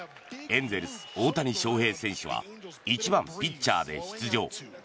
エンゼルス、大谷翔平選手は１番ピッチャーで出場。